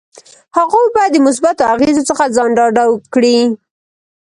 هغوی باید د مثبتو اغیزو څخه ځان ډاډه کړي.